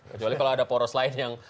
kecuali kalau ada poros lain yang